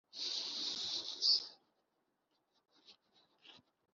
Mu bushinwa hari ikiraro cy’ibirahure.